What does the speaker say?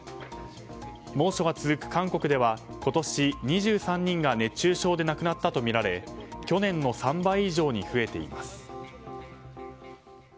猛暑が続く韓国では今年２３人が熱中症で亡くなったとみられ去年の３倍以上に増えています。